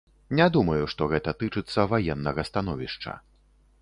Не думаю, што гэта тычыцца ваеннага становішча.